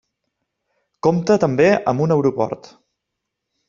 Compta també amb un aeroport.